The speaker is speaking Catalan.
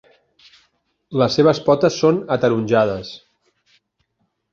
Les seves potes són ataronjades.